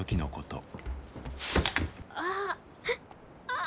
ああ。